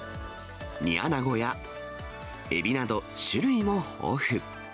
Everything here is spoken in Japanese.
煮アナゴやエビなど種類も豊富。